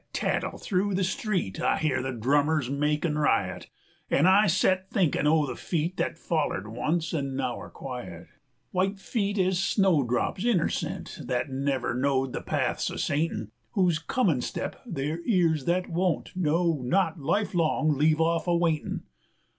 ] Rat tat tat tattle thru the street I hear the drummers makin' riot, An' I set thinkin' o' the feet 115 Thet follered once an' now are quiet, White feet ez snowdrops innercent, Thet never knowed the paths o' Satan, Whose comin' step ther' 's ears thet won't, No, not lifelong, leave off awaitin'.